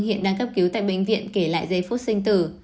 hiện đang cấp cứu tại bệnh viện kể lại giây phút sinh tử